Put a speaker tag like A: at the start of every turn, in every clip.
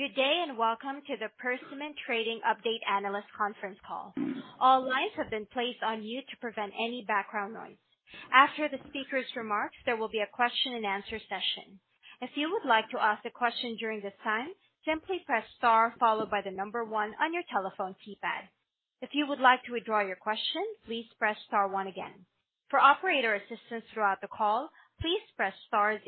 A: Good day, welcome to the Persimmon Trading Update Analyst Conference Call. All lines have been placed on mute to prevent any background noise. After the speaker's remarks, there will be a question and answer session. If you would like to ask a question during this time, simply press star followed by 1 on your telephone keypad. If you would like to withdraw your question, please press star 1 again. For operator assistance throughout the call, please press star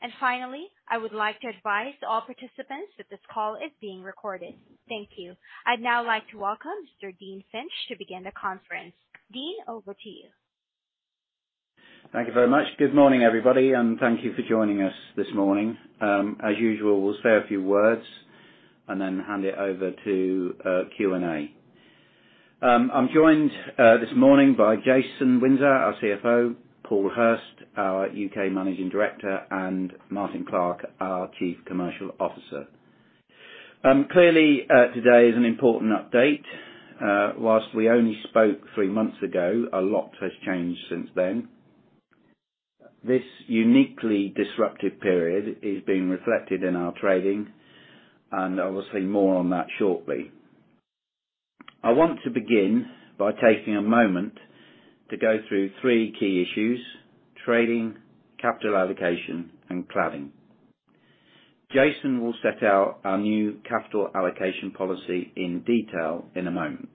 A: 0. Finally, I would like to advise all participants that this call is being recorded. Thank you. I'd now like to welcome Mr. Dean Finch to begin the conference. Dean, over to you.
B: Thank you very much. Good morning, everybody, thank you for joining us this morning. As usual, we'll say a few words and then hand it over to Q&A. I'm joined this morning by Jason Windsor, our CFO, Paul Hurst, our U.K. Managing Director, and Martyn Clark, our Chief Commercial Officer. Today is an important update. Whilst we only spoke 3 months ago, a lot has changed since then. This uniquely disruptive period is being reflected in our trading, obviously more on that shortly. I want to begin by taking a moment to go through 3 key issues: trading, capital allocation, and cladding. Jason will set out our new capital allocation policy in detail in a moment.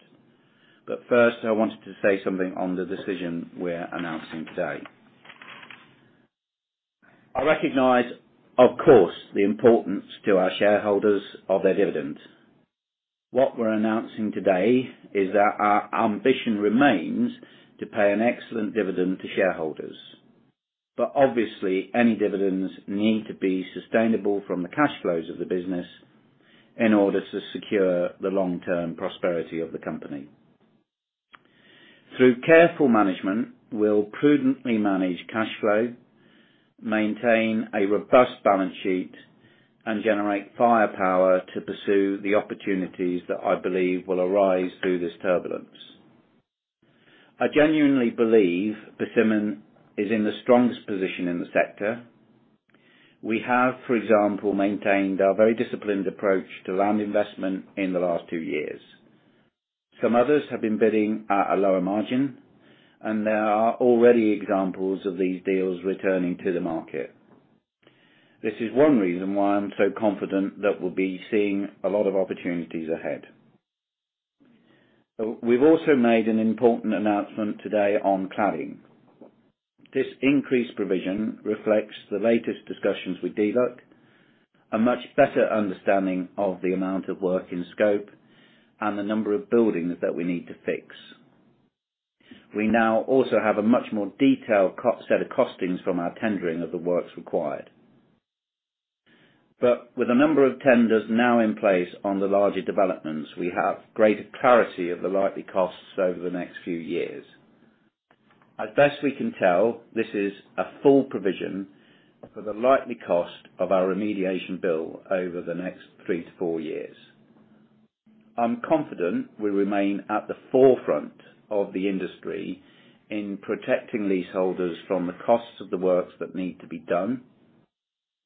B: First, I wanted to say something on the decision we're announcing today. I recognize, of course, the importance to our shareholders of their dividend. What we're announcing today is that our ambition remains to pay an excellent dividend to shareholders, obviously any dividends need to be sustainable from the cash flows of the business in order to secure the long-term prosperity of the company. Through careful management, we'll prudently manage cash flow, maintain a robust balance sheet, and generate firepower to pursue the opportunities that I believe will arise through this turbulence. I genuinely believe Persimmon is in the strongest position in the sector. We have, for example, maintained our very disciplined approach to land investment in the last 2 years. Some others have been bidding at a lower margin, there are already examples of these deals returning to the market. This is 1 reason why I'm so confident that we'll be seeing a lot of opportunities ahead. We've also made an important announcement today on cladding. This increased provision reflects the latest discussions with DLUHC, a much better understanding of the amount of work in scope, the number of buildings that we need to fix. We now also have a much more detailed set of costings from our tendering of the works required. With a number of tenders now in place on the larger developments, we have greater clarity of the likely costs over the next few years. As best we can tell, this is a full provision for the likely cost of our remediation bill over the next 3 to 4 years. I'm confident we remain at the forefront of the industry in protecting leaseholders from the costs of the works that need to be done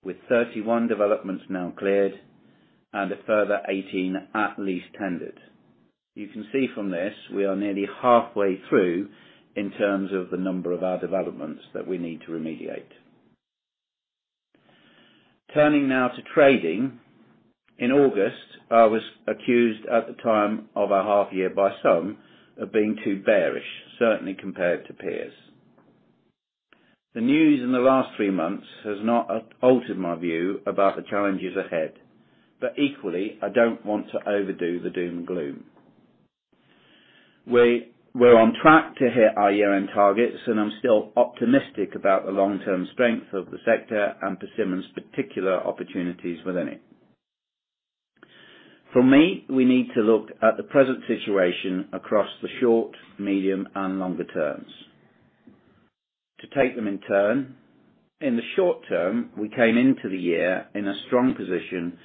B: with 31 developments now cleared and a further 18 at least tendered. You can see from this, we are nearly halfway through in terms of the number of our developments that we need to remediate. Turning now to trading. In August, I was accused at the time of our half year by some of being too bearish, certainly compared to peers. Equally, I don't want to overdo the doom and gloom. We're on track to hit our year-end targets. I'm still optimistic about the long-term strength of the sector and Persimmon's particular opportunities within it. For me, we need to look at the present situation across the short, medium, and longer terms. To take them in turn, in the short term, we came into the year in a strong position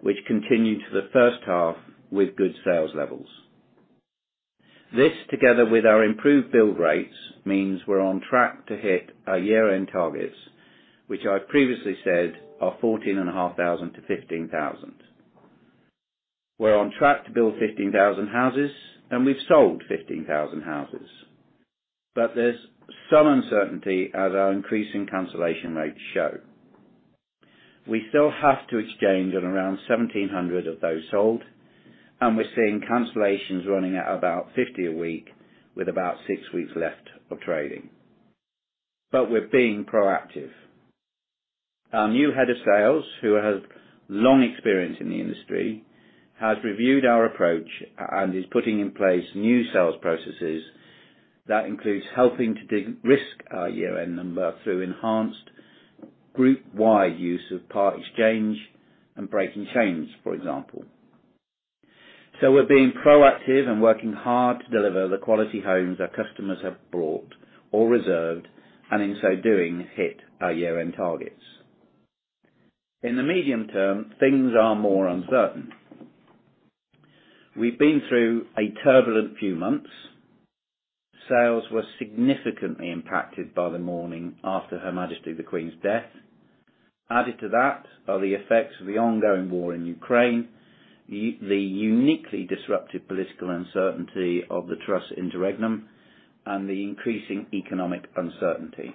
B: which continued to the first half with good sales levels. This, together with our improved bill rates, means we're on track to hit our year-end targets, which I've previously said are 14,500 to 15,000. We're on track to build 15,000 houses. We've sold 15,000 houses. There's some uncertainty as our increasing cancellation rates show. We still have to exchange at around 1,700 of those sold. We're seeing cancellations running at about 50 a week with about six weeks left of trading. We're being proactive. Our new head of sales, who has long experience in the industry, has reviewed our approach and is putting in place new sales processes that includes helping to de-risk our year-end number through enhanced group-wide use of Part Exchange and breaking chains, for example. We're being proactive and working hard to deliver the quality homes our customers have bought or reserved, and in so doing, hit our year-end targets. In the medium term, things are more uncertain. We've been through a turbulent few months. Sales were significantly impacted by the mourning after Her Majesty The Queen's death. Added to that are the effects of the ongoing war in Ukraine, the uniquely disruptive political uncertainty of the Truss interregnum, and the increasing economic uncertainty.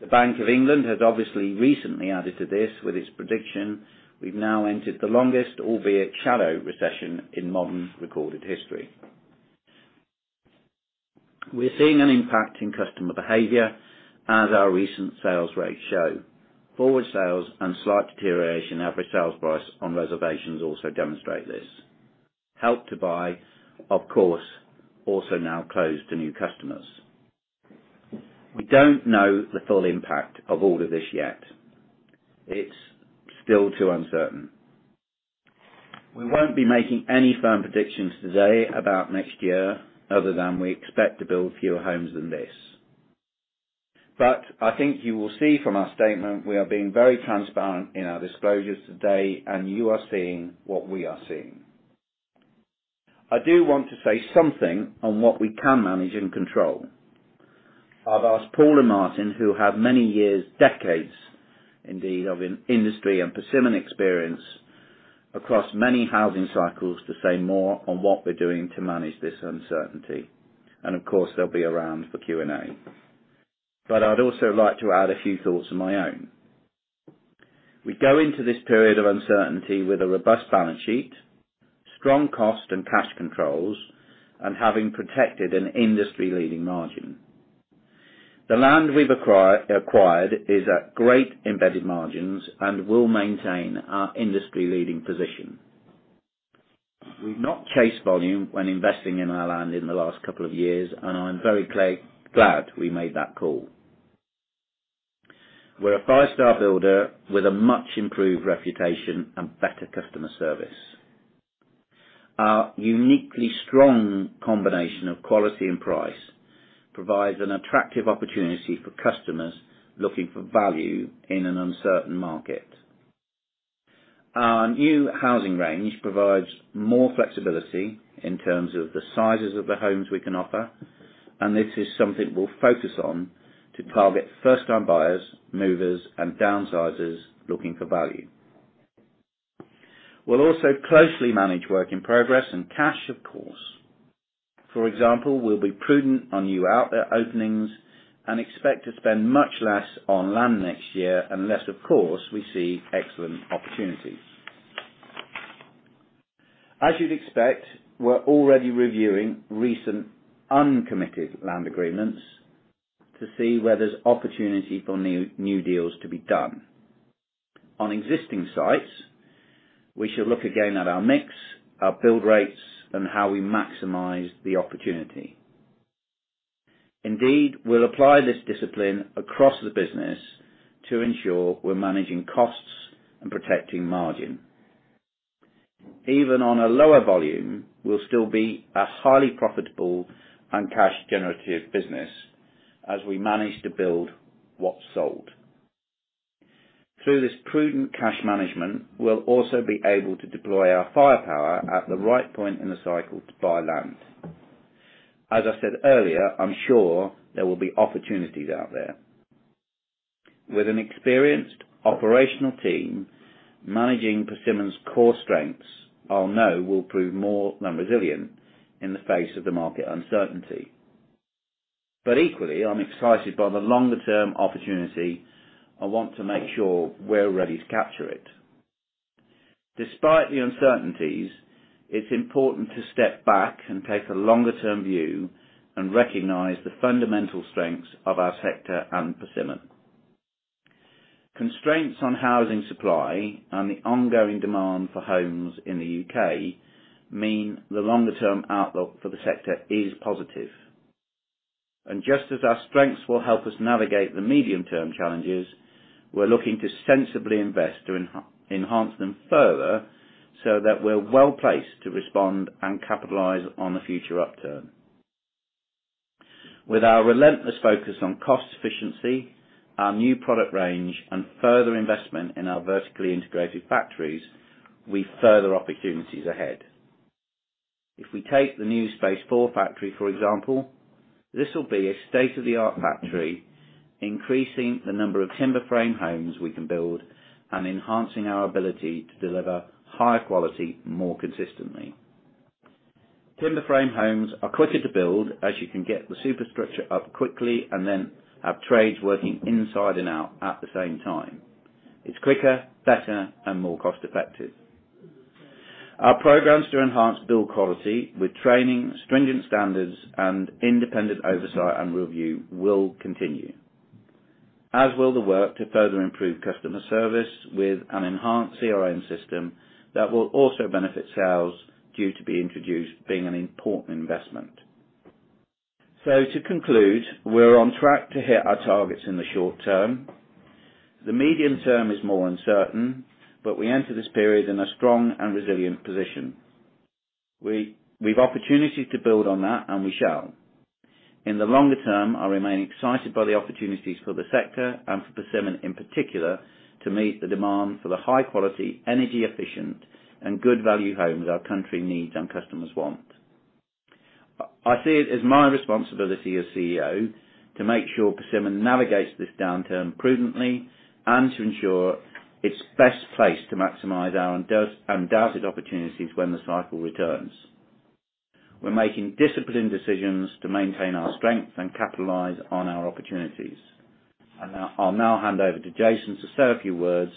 B: The Bank of England has obviously recently added to this with its prediction we've now entered the longest, albeit shallow, recession in modern recorded history. We're seeing an impact in customer behavior as our recent sales rates show. Forward sales and slight deterioration in average selling price on reservations also demonstrate this. Help to Buy, of course, also now closed to new customers. We don't know the full impact of all of this yet. It's still too uncertain. We won't be making any firm predictions today about next year other than we expect to build fewer homes than this. I think you will see from our statement, we are being very transparent in our disclosures today and you are seeing what we are seeing. I do want to say something on what we can manage and control. I've asked Paul and Martyn, who have many years, decades indeed, of industry and Persimmon experience across many housing cycles to say more on what we're doing to manage this uncertainty. Of course, they'll be around for Q&A. I'd also like to add a few thoughts of my own. We go into this period of uncertainty with a robust balance sheet, strong cost and cash controls, and having protected an industry-leading margin. The land we've acquired is at great embedded margins and will maintain our industry-leading position. We've not chased volume when investing in our land in the last couple of years, and I'm very glad we made that call. We're a five-star builder with a much improved reputation and better customer service. Our uniquely strong combination of quality and price provides an attractive opportunity for customers looking for value in an uncertain market. Our new housing range provides more flexibility in terms of the sizes of the homes we can offer, and this is something we'll focus on to target first-time buyers, movers, and downsizers looking for value. We'll also closely manage work in progress and cash, of course. For example, we'll be prudent on new outlet openings and expect to spend much less on land next year unless, of course, we see excellent opportunities. As you'd expect, we're already reviewing recent uncommitted land agreements to see where there's opportunity for new deals to be done. On existing sites, we shall look again at our mix, our build rates, and how we maximize the opportunity. Indeed, we'll apply this discipline across the business to ensure we're managing costs and protecting margin. Even on a lower volume, we'll still be a highly profitable and cash generative business as we manage to build what's sold. Through this prudent cash management, we'll also be able to deploy our firepower at the right point in the cycle to buy land. As I said earlier, I'm sure there will be opportunities out there. With an experienced operational team managing Persimmon's core strengths, I know we'll prove more than resilient in the face of the market uncertainty. Equally, I'm excited by the longer term opportunity. I want to make sure we're ready to capture it. Despite the uncertainties, it's important to step back and take a longer term view and recognize the fundamental strengths of our sector and Persimmon. Constraints on housing supply and the ongoing demand for homes in the U.K. mean the longer term outlook for the sector is positive. Just as our strengths will help us navigate the medium term challenges, we're looking to sensibly invest to enhance them further so that we're well-placed to respond and capitalize on the future upturn. With our relentless focus on cost efficiency, our new product range and further investment in our vertically integrated factories, we've further opportunities ahead. If we take the new Space4 factory, for example, this will be a state-of-the-art factory increasing the number of timber frame homes we can build and enhancing our ability to deliver higher quality more consistently. Timber frame homes are quicker to build as you can get the superstructure up quickly and then have trades working inside and out at the same time. It's quicker, better, and more cost-effective. Our programs to enhance build quality with training, stringent standards, and independent oversight and review will continue, as will the work to further improve customer service with an enhanced CRM system that will also benefit sales due to be introduced being an important investment. To conclude, we're on track to hit our targets in the short term. The medium term is more uncertain, but we enter this period in a strong and resilient position. We've opportunity to build on that, and we shall. In the longer term, I remain excited by the opportunities for the sector and for Persimmon, in particular, to meet the demand for the high quality, energy efficient and good value homes our country needs and customers want. I see it as my responsibility as CEO to make sure Persimmon navigates this downturn prudently, and to ensure it's best placed to maximize our undoubted opportunities when the cycle returns. We're making disciplined decisions to maintain our strength and capitalize on our opportunities. I'll now hand over to Jason to say a few words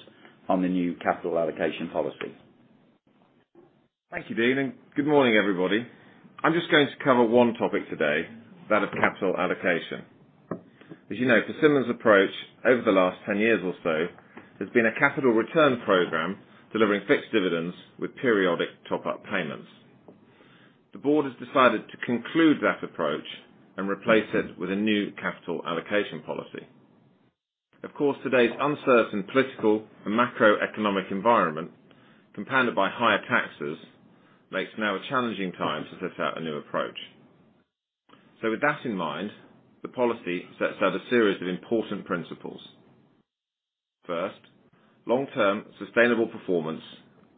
B: on the new capital allocation policy.
C: Thank you, Dean, and good morning, everybody. I'm just going to cover one topic today, that of capital allocation. As you know, Persimmon's approach over the last 10 years or so has been a capital return program delivering fixed dividends with periodic top-up payments. The board has decided to conclude that approach and replace it with a new capital allocation policy. Of course, today's uncertain political and macroeconomic environment, compounded by higher taxes, makes now a challenging time to set out a new approach. With that in mind, the policy sets out a series of important principles. First, long-term sustainable performance,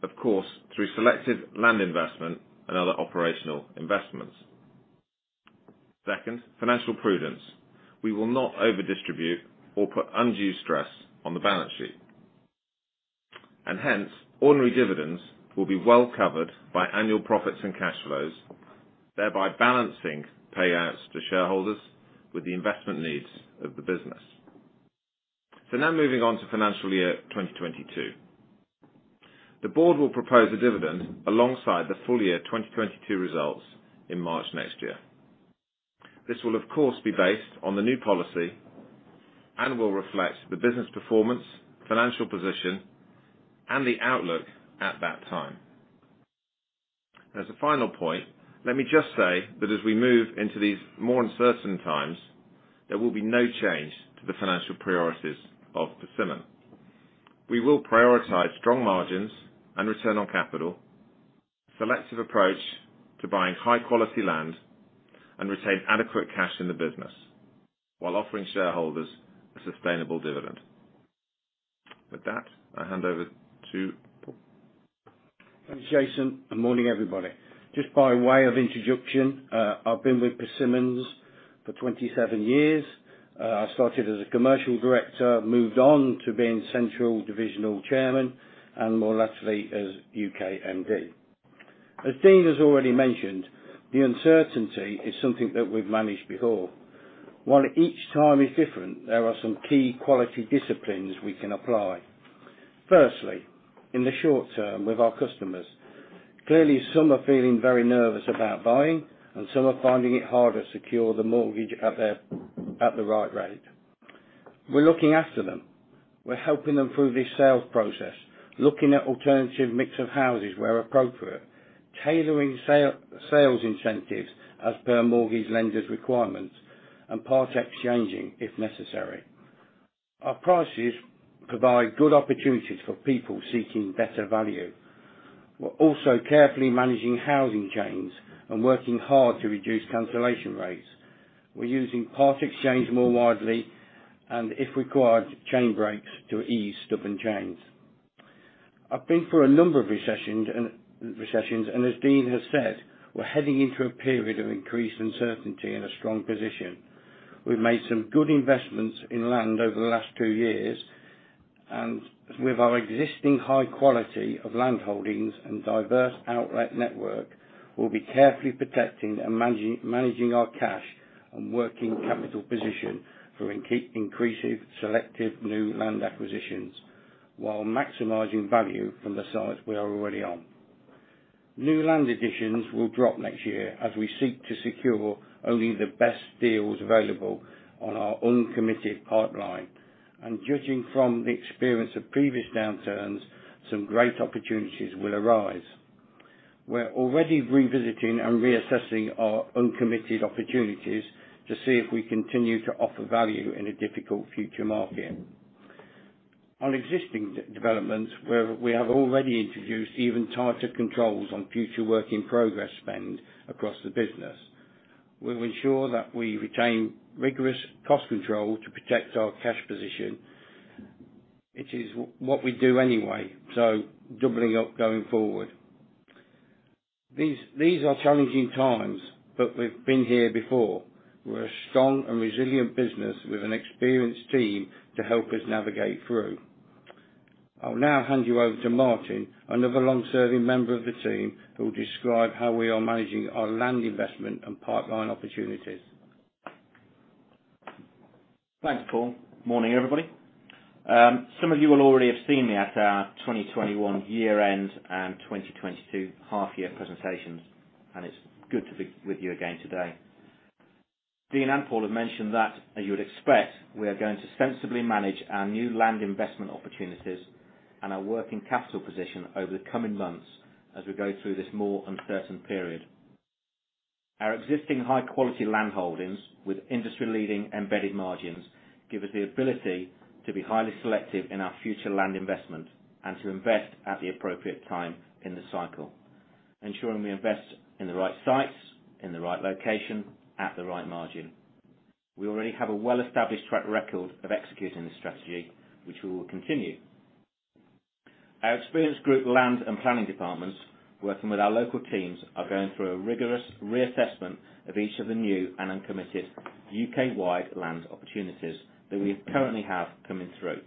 C: of course, through selective land investment and other operational investments. Second, financial prudence. We will not over distribute or put undue stress on the balance sheet. Hence, ordinary dividends will be well covered by annual profits and cash flows, thereby balancing payouts to shareholders with the investment needs of the business. Now moving on to financial year 2022. The board will propose a dividend alongside the full year 2022 results in March next year. This will, of course, be based on the new policy and will reflect the business performance, financial position, and the outlook at that time. As a final point, let me just say that as we move into these more uncertain times, there will be no change to the financial priorities of Persimmon. We will prioritize strong margins and return on capital, selective approach to buying high quality land, and retain adequate cash in the business while offering shareholders a sustainable dividend. With that, I hand over to Paul.
D: Thanks, Jason, and morning, everybody. Just by way of introduction, I've been with Persimmon for 27 years. I started as a commercial director, moved on to being central divisional chairman, and more lately as U.K. MD. As Dean has already mentioned, the uncertainty is something that we've managed before. While each time is different, there are some key quality disciplines we can apply. Firstly, in the short term with our customers, clearly some are feeling very nervous about buying and some are finding it harder to secure the mortgage at the right rate. We're looking after them. We're helping them through this sales process, looking at alternative mix of houses where appropriate, tailoring sales incentives as per mortgage lenders' requirements, and part exchanging if necessary. Our prices provide good opportunities for people seeking better value. We're also carefully managing housing chains and working hard to reduce cancellation rates. We're using Part Exchange more widely and, if required, chain breaks to ease stubborn chains. I've been through a number of recessions, and as Dean has said, we're heading into a period of increased uncertainty in a strong position. We've made some good investments in land over the last two years, and with our existing high quality of land holdings and diverse outlet network, we'll be carefully protecting and managing our cash and working capital position for increasing selective new land acquisitions while maximizing value from the sites we are already on. New land additions will drop next year as we seek to secure only the best deals available on our uncommitted pipeline. Judging from the experience of previous downturns, some great opportunities will arise. We're already revisiting and reassessing our uncommitted opportunities to see if we continue to offer value in a difficult future market. On existing developments, we have already introduced even tighter controls on future work in progress spend across the business. We will ensure that we retain rigorous cost control to protect our cash position, which is what we do anyway, so doubling up going forward. These are challenging times, but we've been here before. We're a strong and resilient business with an experienced team to help us navigate through. I'll now hand you over to Martyn, another long-serving member of the team, who will describe how we are managing our land investment and pipeline opportunities.
E: Thanks, Paul. Morning, everybody. Some of you will already have seen me at our 2021 year end and 2022 half year presentations. It's good to be with you again today. Dean and Paul have mentioned that, as you would expect, we are going to sensibly manage our new land investment opportunities and our working capital position over the coming months as we go through this more uncertain period. Our existing high quality land holdings with industry leading embedded margins give us the ability to be highly selective in our future land investment and to invest at the appropriate time in the cycle. Ensuring we invest in the right sites, in the right location, at the right margin. We already have a well-established track record of executing this strategy, which we will continue. Our experienced group land and planning departments, working with our local teams, are going through a rigorous reassessment of each of the new and uncommitted U.K.-wide land opportunities that we currently have coming through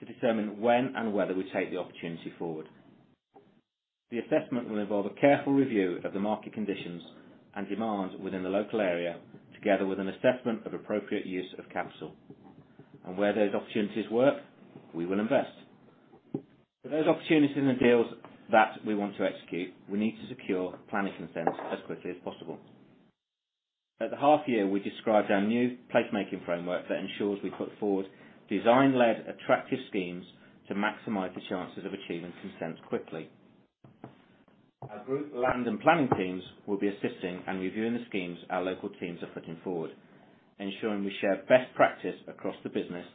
E: to determine when and whether we take the opportunity forward. The assessment will involve a careful review of the market conditions and demand within the local area, together with an assessment of appropriate use of capital. Where those opportunities work, we will invest. For those opportunities and deals that we want to execute, we need to secure planning consent as quickly as possible. At the half year, we described our new placemaking framework that ensures we put forward design-led, attractive schemes to maximize the chances of achieving consent quickly. Our group land and planning teams will be assisting and reviewing the schemes our local teams are putting forward, ensuring we share best practice across the business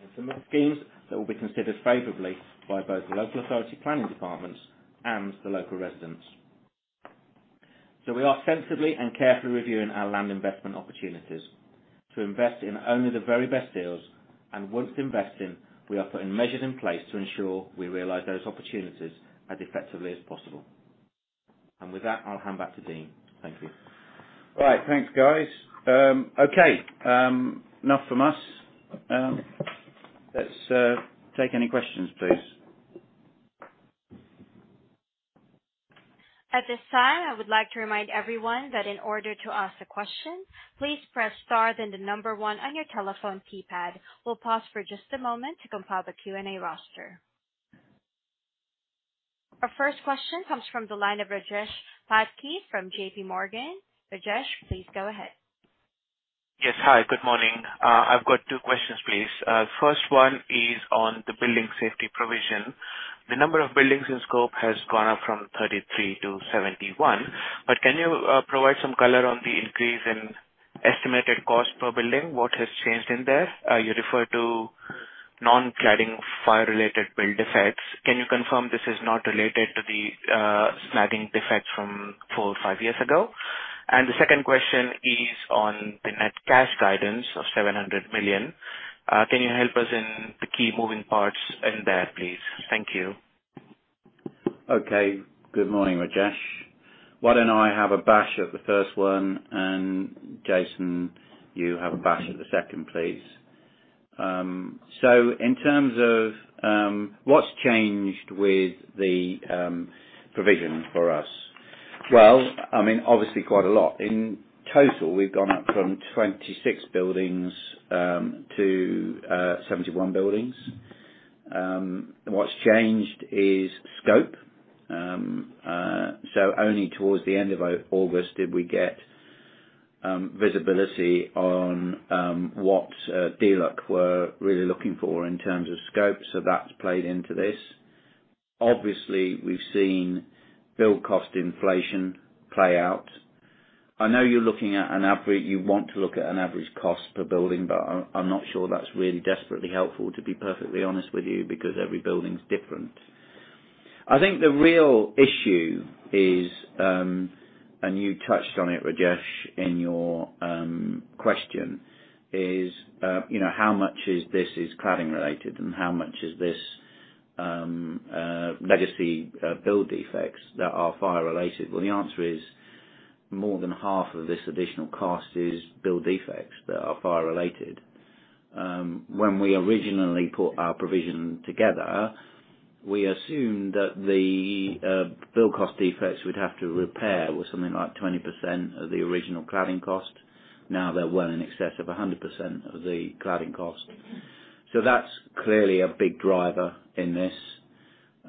E: and submit schemes that will be considered favorably by both the local authority planning departments and the local residents. We are sensibly and carefully reviewing our land investment opportunities to invest in only the very best deals. Once invested, we are putting measures in place to ensure we realize those opportunities as effectively as possible. With that, I'll hand back to Dean. Thank you.
B: All right. Thanks, guys. Okay. Enough from us. Let's take any questions, please.
A: At this time, I would like to remind everyone that in order to ask a question, please press star then the number 1 on your telephone keypad. We'll pause for just a moment to compile the Q&A roster. Our first question comes from the line of Rajesh Patki from JPMorgan. Rajesh, please go ahead.
F: Yes. Hi, good morning. I've got two questions, please. First one is on the building safety provision. The number of buildings in scope has gone up from 33 to 71. Can you provide some color on the increase in estimated cost per building? What has changed in there? You referred to non-cladding fire-related build defects. Can you confirm this is not related to the snagging defects from four or five years ago? The second question is on the net cash guidance of 700 million. Can you help us in the key moving parts in there, please? Thank you.
B: Okay. Good morning, Rajesh. Why don't I have a bash at the first one, and Jason, you have a bash at the second, please. In terms of what's changed with the provision for us. Obviously, quite a lot. In total, we've gone up from 26 buildings to 71 buildings. What's changed is scope. Only towards the end of August did we get visibility on what DLUHC were really looking for in terms of scope. That's played into this. Obviously, we've seen build cost inflation play out. I know you want to look at an average cost per building, but I'm not sure that's really desperately helpful, to be perfectly honest with you, because every building is different. I think the real issue is, you touched on it, Rajesh, in your question, is how much is this is cladding related and how much is this legacy build defects that are fire related? The answer is, more than half of this additional cost is build defects that are fire related. When we originally put our provision together, we assumed that the build cost defects we'd have to repair was something like 20% of the original cladding cost. Now they're well in excess of 100% of the cladding cost. That's clearly a big driver in this.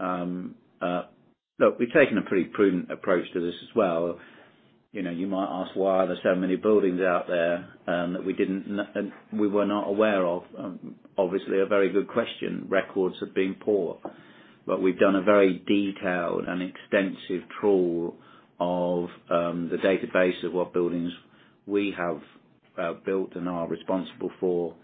B: Look, we've taken a pretty prudent approach to this as well. You might ask, why are there so many buildings out there that we were not aware of? Obviously, a very good question. Records have been poor. We've done a very detailed and extensive trawl of the database of what buildings we have built and are responsible for.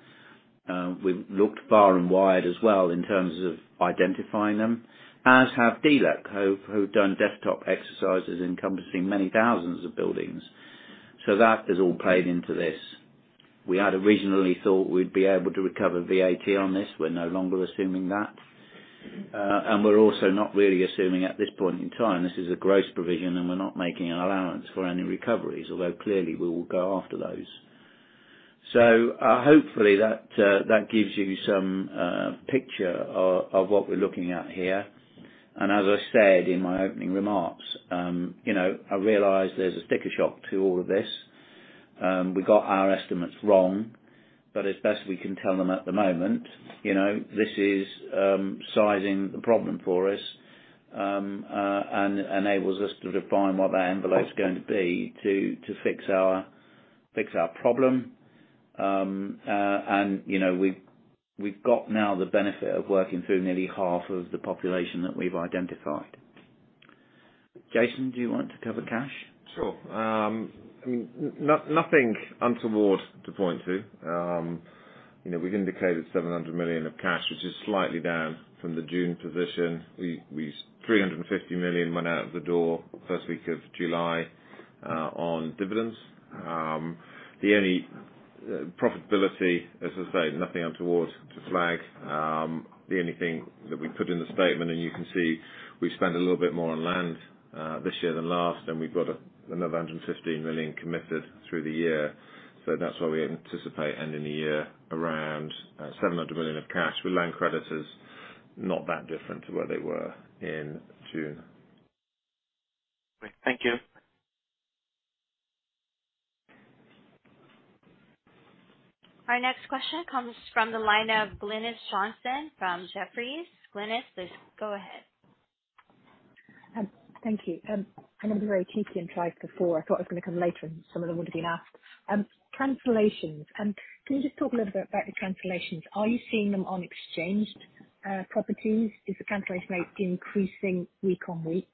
B: We've looked far and wide as well in terms of identifying them, as have DLUHC, who've done desktop exercises encompassing many thousands of buildings. That has all played into this. We had originally thought we'd be able to recover VAT on this. We're no longer assuming that. We're also not really assuming at this point in time, this is a gross provision and we're not making an allowance for any recoveries, although clearly we will go after those. Hopefully that gives you some picture of what we're looking at here. As I said in my opening remarks, I realize there's a sticker shock to all of this. We got our estimates wrong, as best we can tell them at the moment, this is sizing the problem for us, and enables us to define what that envelope is going to be to fix our problem. We've got now the benefit of working through nearly half of the population that we've identified. Jason, do you want to cover cash?
F: Sure. Nothing untoward to point to.
C: We've indicated 700 million of cash, which is slightly down from the June position. 350 million went out of the door the first week of July on dividends. The only profitability, as I say, nothing untoward to flag. The only thing that we put in the statement, you can see we spent a little bit more on land this year than last, and we've got another 115 million committed through the year. That's why we anticipate ending the year around 700 million of cash with land credits not that different to where they were in June.
D: Great. Thank you.
A: Our next question comes from the line of Glynis Johnson from Jefferies. Glynis, please go ahead.
G: Thank you. I know I was very cheeky and tried before. I thought I was going to come later and some of them would have been asked. Cancellations. Can you just talk a little bit about the cancellations? Are you seeing them on exchanged properties? Is the cancellation rate increasing week on week?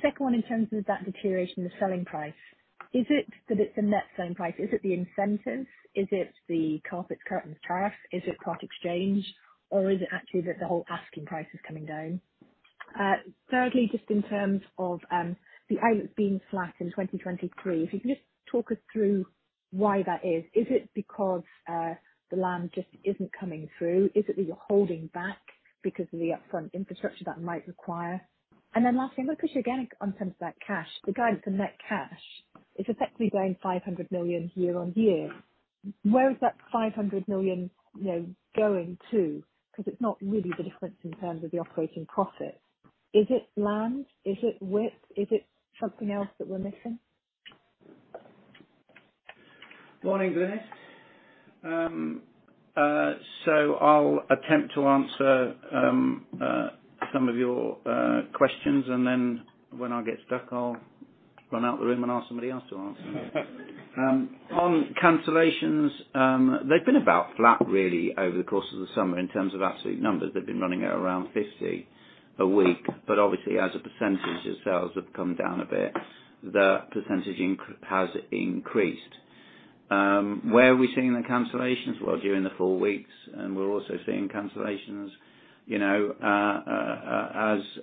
G: Second one in terms of that deterioration of selling price. Is it that it's the net selling price? Is it the incentive? Is it the carpets, curtains, tariff? Is it Part Exchange? Is it actually that the whole asking price is coming down? Thirdly, just in terms of the outlets being flat in 2023. If you can just talk us through why that is. Is it because the land just isn't coming through? Is it that you're holding back because of the upfront infrastructure that might require? Lastly, I'm going to push you again in terms of that cash. The guidance for net cash is effectively down 500 million year-on-year. Where is that 500 million going to, it's not really the difference in terms of the operating profit. Is it land? Is it WIP? Is it something else that we're missing?
C: Morning, Glynis. I'll attempt to answer some of your questions, when I get stuck, I'll run out the room and ask somebody else to answer. On cancellations. They've been about flat really over the course of the summer in terms of absolute numbers. They've been running at around 50 a week, obviously as a percentage as sales have come down a bit, the percentage has increased. Where are we seeing the cancellations? Well, during the full weeks, we're also seeing cancellations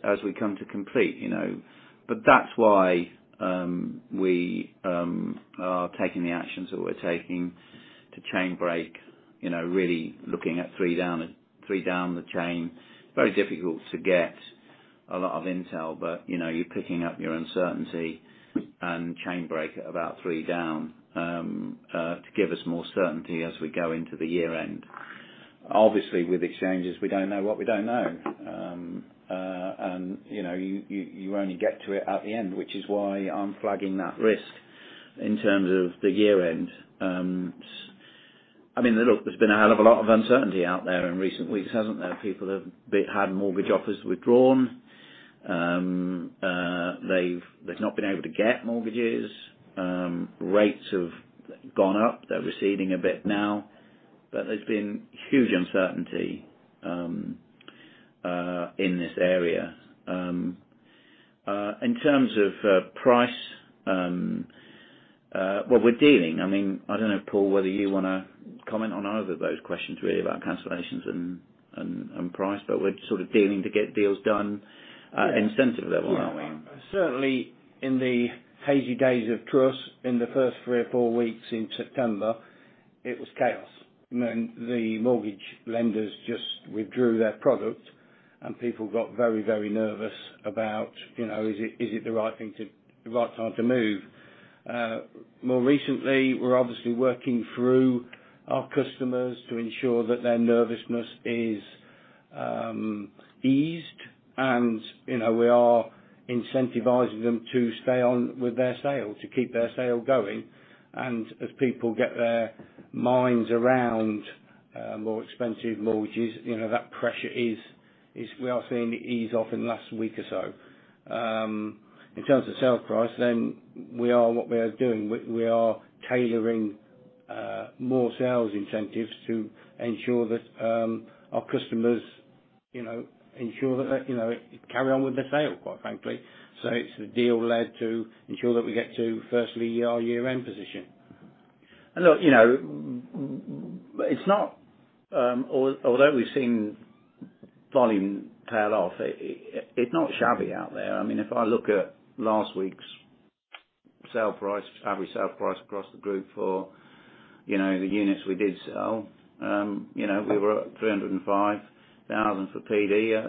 C: as we come to complete. That's why we are taking the actions that we're taking to chain break, really looking at three down the chain. Very difficult to get a lot of intel, you're picking up your uncertainty and chain break at about three down to give us more certainty as we go into the year end. Obviously, with exchanges, we don't know what we don't know. You only get to it at the end, which is why I'm flagging that risk in terms of the year end. Look, there's been a hell of a lot of uncertainty out there in recent weeks, hasn't there? People have had mortgage offers withdrawn. They've not been able to get mortgages. Rates have gone up. They're receding a bit now, there's been huge uncertainty in this area. In terms of price. Well, we're dealing. I don't know, Paul, whether you want to comment on either of those questions, really, about cancellations and price, we're sort of dealing to get deals done incentive level, aren't we?
D: Yeah. Certainly in the hazy days of Truss in the first three or four weeks in September, it was chaos. The mortgage lenders just withdrew their product and people got very nervous about, is it the right time to move? More recently, we're obviously working through our customers to ensure that their nervousness is eased and we are incentivizing them to stay on with their sale, to keep their sale going. As people get their minds around more expensive mortgages, that pressure We are seeing it ease off in the last week or so. In terms of sale price, what we are doing, we are tailoring more sales incentives to ensure that our customers carry on with the sale, quite frankly. It's the deal led to ensure that we get to, firstly, our year-end position.
C: Look, although we've seen volume tail off, it's not shabby out there. If I look at last week's average sale price across the group for the units we did sell, we were at 305,000 for PD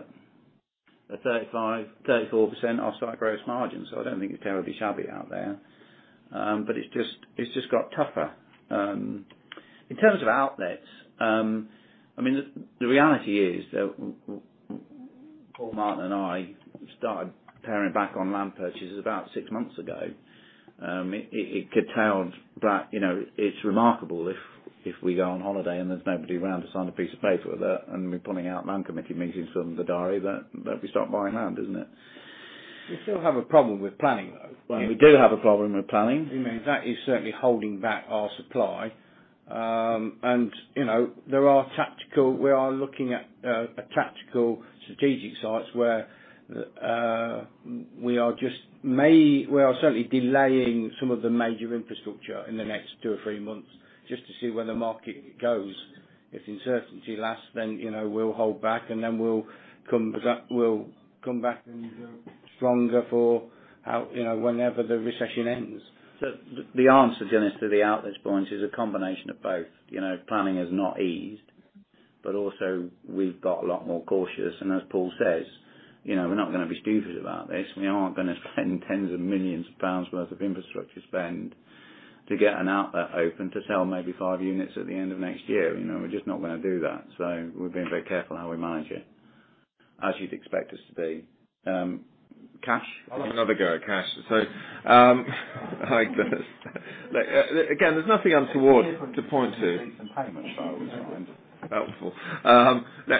C: at 34% off site gross margin. I don't think it's terribly shabby out there. It's just got tougher. In terms of outlets, the reality is that Paul, Martyn, and I started paring back on land purchases about six months ago. It could count that it's remarkable if we go on holiday and there's nobody around to sign a piece of paper and we're pulling out land committee meetings from the diary that we stop buying land, isn't it?
D: We still have a problem with planning, though.
C: Well, we do have a problem with planning.
D: That is certainly holding back our supply. We are looking at tactical strategic sites where we are certainly delaying some of the major infrastructure in the next two or three months just to see where the market goes. If the uncertainty lasts, then we'll hold back and then we'll come back-
C: Come back even stronger for whenever the recession ends.
B: The answer, Glynis, to the outlets point is a combination of both. Planning has not eased, but also we've got a lot more cautious. As Paul says, we're not going to be stupid about this. We aren't going to spend tens of millions of GBP worth of infrastructure spend to get an outlet open to sell maybe five units at the end of next year. We're just not going to do that. We're being very careful how we manage it, as you'd expect us to be. Cash?
C: I'll have another go at cash. Hi, Chris. Again, there's nothing untoward to point to.
B: Some payment charts.
C: Helpful.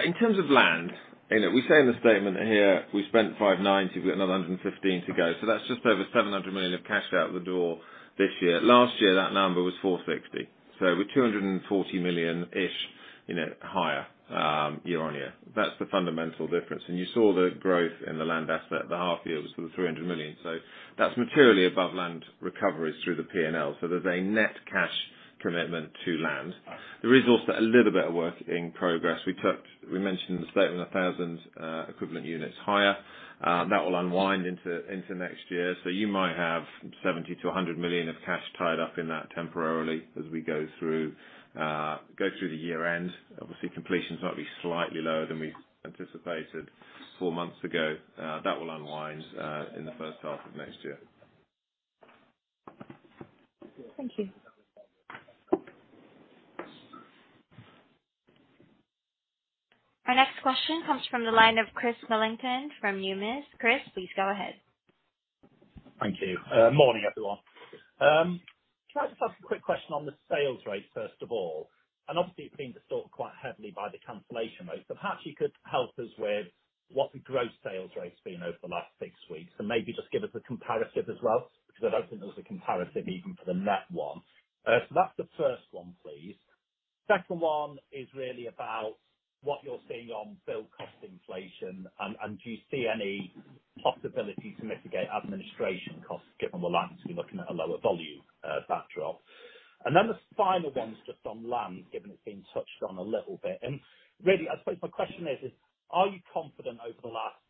C: In terms of land, we say in the statement here, we spent 590, we've got another 115 to go. That's just over 700 million of cash out the door this year. Last year, that number was 460. We're 240 million-ish higher year-on-year. That's the fundamental difference. And you saw the growth in the land asset at the half year was sort of 300 million. That's materially above land recoveries through the P&L. There's a net cash commitment to land. There is also a little bit of work in progress. We mentioned in the statement 1,000 equivalent units higher. That will unwind into next year. You might have 70 million-100 million of cash tied up in that temporarily as we go through the year-end. Obviously, completions might be slightly lower than we anticipated four months ago. That will unwind in the first half of next year.
G: Thank you.
A: Our next question comes from the line of Chris Millington from Numis. Chris, please go ahead.
H: Thank you. Morning, everyone. Can I just ask a quick question on the sales rate, first of all? Obviously it's been disturbed quite heavily by the cancellation rate, but perhaps you could help us with what the gross sales rate's been over the last six weeks, and maybe just give us a comparison as well, because I don't think there was a comparison even for the net one. That's the first one, please. Second one is really about what you're seeing on build cost inflation and do you see any possibility to mitigate administration costs given the land, you're looking at a lower volume backdrop. The final one is just on land, given it's been touched on a little bit. Really, I suppose my question is, are you confident over the last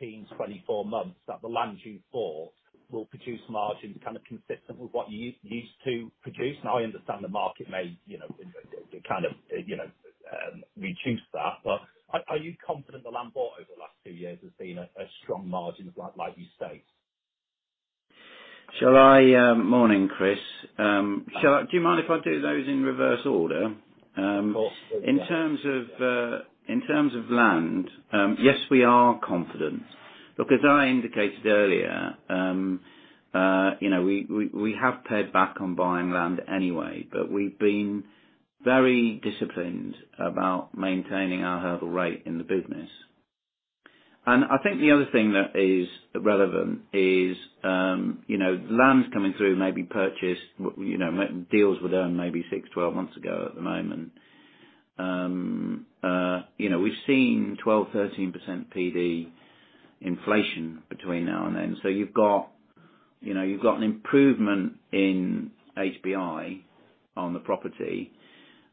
H: 18, 24 months that the land you bought will produce margins kind of consistent with what you used to produce? Now, I understand the market may kind of reduce that, but are you confident the land bought over the last two years has been a strong margin like you state?
B: Morning, Chris. Do you mind if I do those in reverse order?
H: Of course.
B: In terms of land, yes, we are confident. Look, as I indicated earlier, we have pared back on buying land anyway, but we've been very disciplined about maintaining our hurdle rate in the business. I think the other thing that is relevant is land coming through maybe purchased, deals were done maybe six, 12 months ago at the moment. We've seen 12, 13% PD inflation between now and then. You've got an improvement in HPI on the property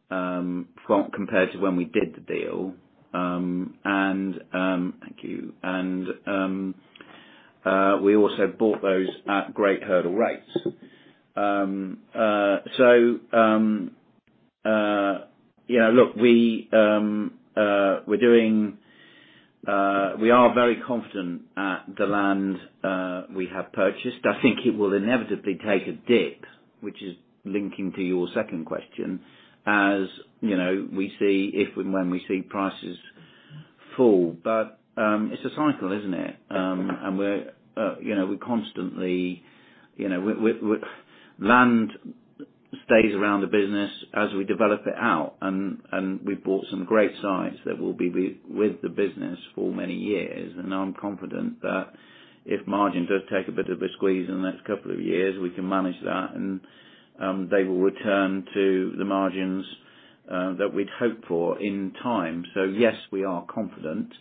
B: compared to when we did the deal. Thank you. We also bought those at great hurdle rates. Look, we are very confident at the land we have purchased. I think it will inevitably take a dip, which is linking to your second question, as we see if and when we see prices fall. It's a cycle, isn't it? Land stays around the business as we develop it out, and we bought some great sites that will be with the business for many years. I'm confident that if margin does take a bit of a squeeze in the next couple of years, we can manage that, and they will return to the margins that we'd hope for in time. Yes, we are confident.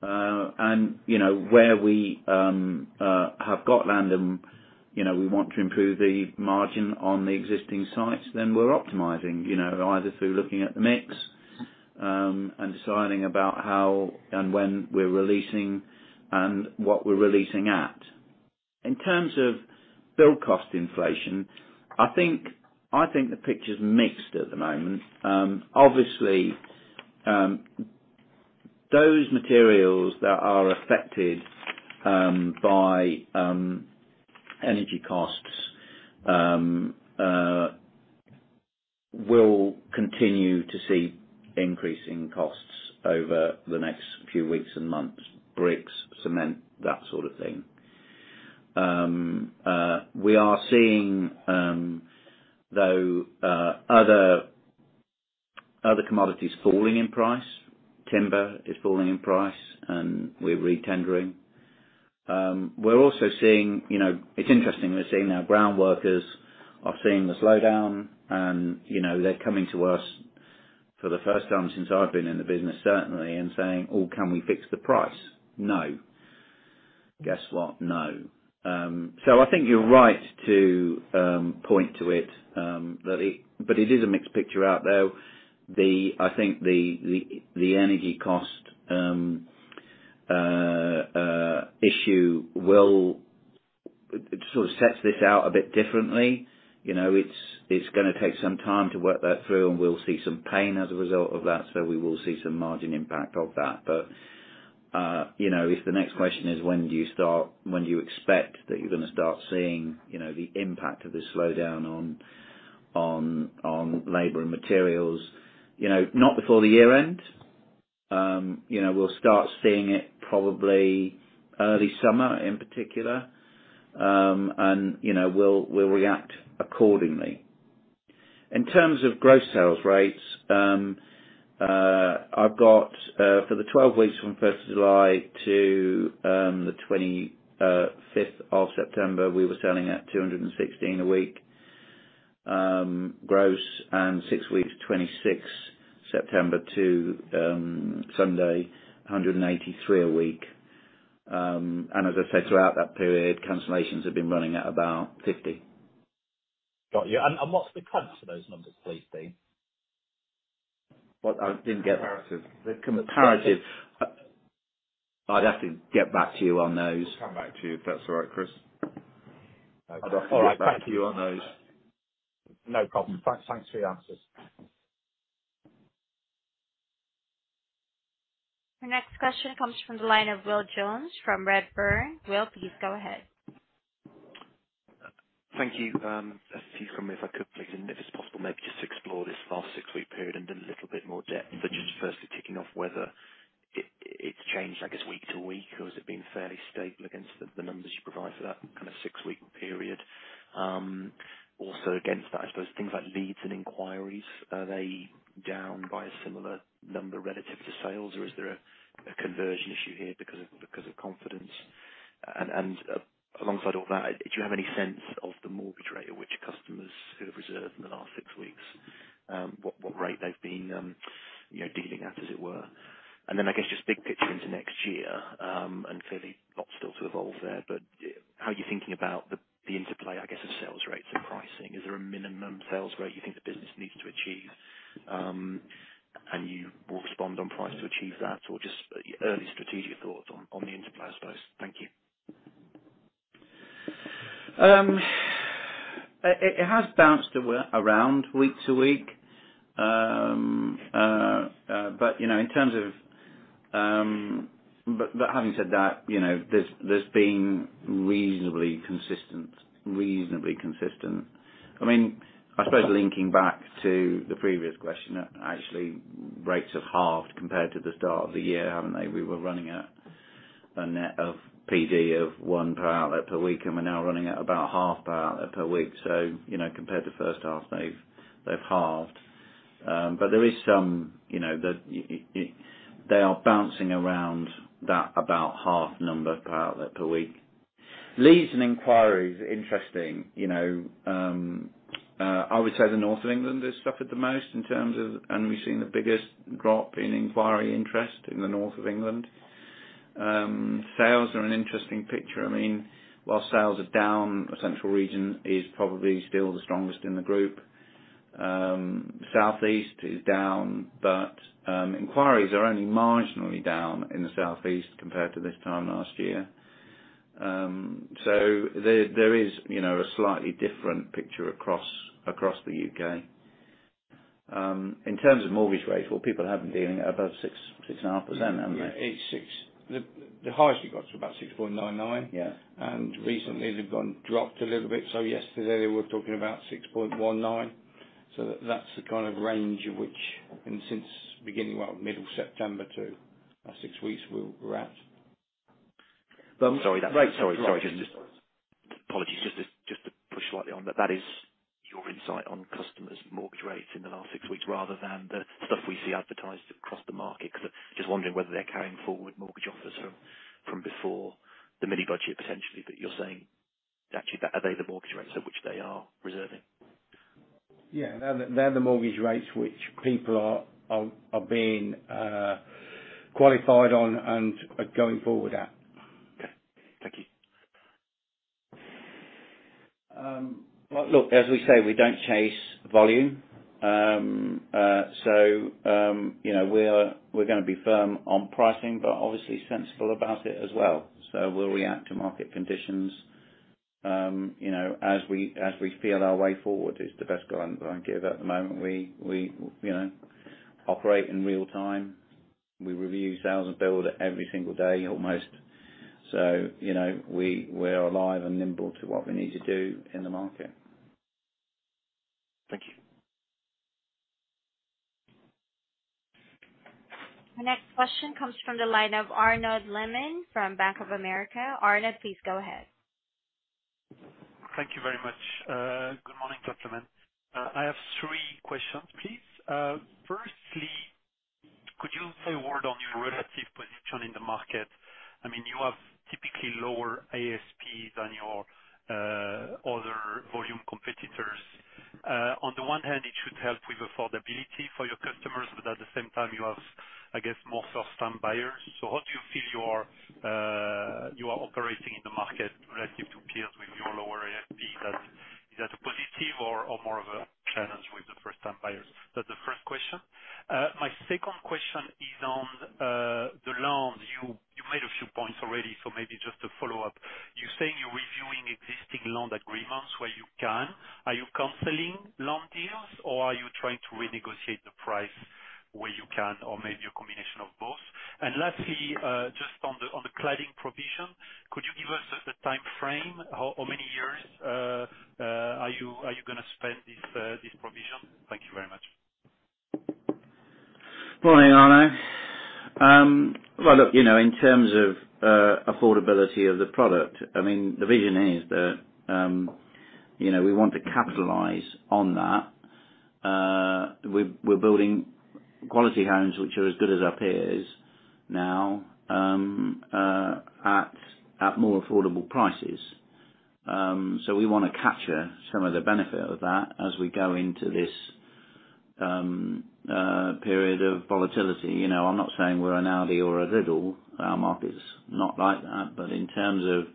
B: Where we have got land and we want to improve the margin on the existing sites, then we're optimizing, either through looking at the mix, and deciding about how and when we're releasing and what we're releasing at. In terms of build cost inflation, I think the picture's mixed at the moment. Obviously, those materials that are affected by energy costs will continue to see increasing costs over the next few weeks and months. Bricks, cement, that sort of thing. We are seeing, though other commodities falling in price. Timber is falling in price and we're re-tendering. It's interesting, we're seeing our ground workers are seeing the slowdown and they're coming to us for the first time since I've been in the business, certainly, and saying, "Oh, can we fix the price?" No Guess what? No. I think you're right to point to it, but it is a mixed picture out there. I think the energy cost issue will sort of set this out a bit differently. It's going to take some time to work that through, and we'll see some pain as a result of that. We will see some margin impact of that. If the next question is when do you expect that you're going to start seeing the impact of this slowdown on labor and materials? Not before the year-end. We'll start seeing it probably early summer in particular. We'll react accordingly. In terms of gross sales rates, I've got for the 12 weeks from 1st of July to the 25th of September, we were selling at 216 a week gross, six weeks, 26 September to Sunday, 183 a week. As I said, throughout that period, cancellations have been running at about 50.
H: Got you. What's the comps for those numbers, please, Dean?
B: What?
D: Comparative.
B: The comparative. I'd have to get back to you on those.
D: We'll come back to you if that's all right, Chris.
B: I'd have to get back to you on those.
H: No problem. Thanks for the answers.
A: The next question comes from the line of Will Jones from Redburn. Will, please go ahead.
I: Thank you. A few for me if I could please, if it's possible, maybe just to explore this last six-week period in a little bit more depth. Just firstly, kicking off whether it's changed, I guess, week to week or has it been fairly stable against the numbers you provide for that kind of six-week period? Also against that, I suppose things like leads and inquiries, are they down by a similar number relative to sales, or is there a conversion issue here because of confidence? Alongside all that, do you have any sense of the mortgage rate at which customers who have reserved in the last six weeks, what rate they've been dealing at, as it were? Then, I guess, just big picture into next year. Clearly lot still to evolve there, but how are you thinking about the interplay, I guess, of sales rates and pricing? Is there a minimum sales rate you think the business needs to achieve, and you will respond on price to achieve that? Just early strategic thoughts on the interplay, I suppose. Thank you.
B: It has bounced around week to week. Having said that, there's been reasonably consistent. I suppose linking back to the previous question, actually rates have halved compared to the start of the year, haven't they? We were running at a net of PD of one per outlet per week, and we're now running at about half per outlet per week. Compared to the first half, they've halved. They are bouncing around that about half number per outlet per week. Leads and inquiries are interesting. I would say the North of England has suffered the most in terms of, we've seen the biggest drop in inquiry interest in the North of England. Sales are an interesting picture. While sales are down, the central region is probably still the strongest in the group. Southeast is down, but inquiries are only marginally down in the Southeast compared to this time last year. There is a slightly different picture across the U.K. In terms of mortgage rates, well, people have been dealing at above six and a half %, haven't they?
D: Yeah, 8, 6. The highest it got to about 6.99%.
B: Yeah.
D: Recently they've dropped a little bit. Yesterday we're talking about 6.19%. That's the kind of range of which, and since beginning, well, middle September to that 6 weeks we're at.
I: Sorry. Apologies. Just to push slightly on. That is your insight on customers' mortgage rates in the last 6 weeks rather than the stuff we see advertised across the market because just wondering whether they're carrying forward mortgage offers from before the mini budget, potentially, but you're saying actually are they the mortgage rates at which they are reserving?
D: Yeah. They're the mortgage rates which people are being qualified on and going forward at.
I: Okay. Thank you.
B: Well, look, as we say, we don't chase volume. We're gonna be firm on pricing but obviously sensible about it as well. We'll react to market conditions as we feel our way forward is the best guidance I can give at the moment. We operate in real time. We review sales and build every single day, almost. We are alive and nimble to what we need to do in the market.
I: Thank you.
A: The next question comes from the line of Arnaud Lehmann from Bank of America. Arnaud, please go ahead.
J: Thank you very much. Good morning, gentlemen. I have three questions, please. Firstly, could you say a word on your relative position in the market? You have typically lower ASP than your other volume competitors. On the one hand, it should help with affordability for your customers, but at the same time you have, I guess, more first-time buyers. How do you feel you are operating in the market relative to peers with your lower ASP? Is that a positive or more of a challenge with the first-time buyers? That's the first question. My second question is on the land. You made a few points already, maybe just to follow up. You're saying you're reviewing existing land agreements where you can. Are you canceling land deals, or are you trying to renegotiate the price where you can, or maybe a combination of both? Lastly, just on the cladding provision, could you give us a timeframe? How many years are you going to spend this provision? Thank you very much.
B: Morning, Arnaud Lehmann. Look, in terms of affordability of the product, the vision is that we want to capitalize on that. We're building quality homes, which are as good as our peers now, at more affordable prices. We want to capture some of the benefit of that as we go into this period of volatility. I'm not saying we're an Aldi or a Lidl. Our market's not like that. In terms of,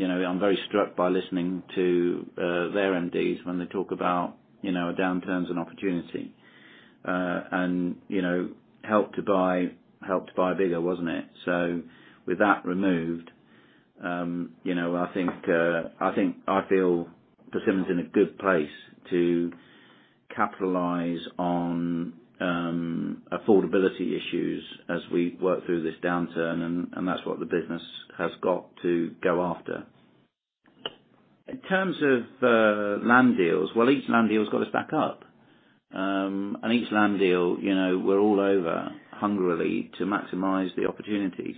B: I'm very struck by listening to their MDs when they talk about a downturn as an opportunity. Help to Buy bigger, wasn't it? With that removed, I feel Persimmon's in a good place to capitalize on affordability issues as we work through this downturn, and that's what the business has got to go after. In terms of land deals, each land deal has got us back up. Each land deal, we're all over hungrily to maximize the opportunity.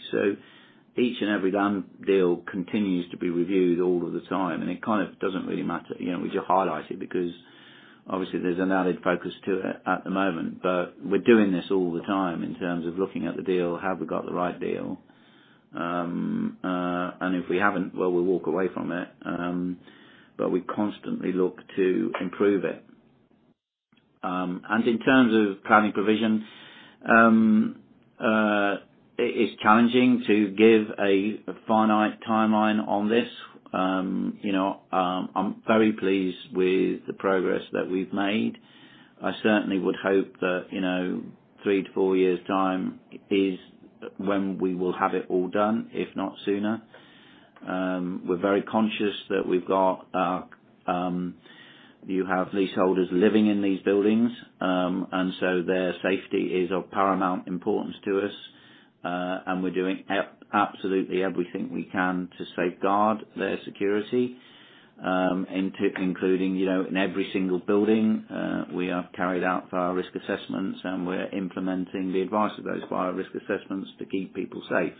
B: Each and every land deal continues to be reviewed all of the time, and it kind of doesn't really matter. We just highlight it because obviously there's an added focus to it at the moment. We're doing this all the time in terms of looking at the deal, have we got the right deal? If we haven't, we walk away from it. We constantly look to improve it. In terms of cladding provision, it is challenging to give a finite timeline on this. I'm very pleased with the progress that we've made. I certainly would hope that 3 to 4 years' time is when we will have it all done, if not sooner. We're very conscious that you have leaseholders living in these buildings. Their safety is of paramount importance to us. We're doing absolutely everything we can to safeguard their security. Including, in every single building, we have carried out fire risk assessments, and we're implementing the advice of those fire risk assessments to keep people safe.